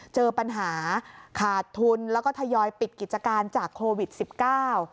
เจอปัญหาขาดทุนแล้วก็ทยอยปิดกิจการจากโควิดสิบเก้า